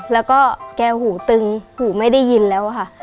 แล้วก็แกหูตึงหูไม่ได้ยินแล้วค่ะ